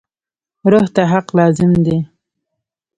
روح ته حق لازم دی.